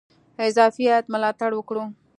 اضافي عاید ملاتړ وکړو.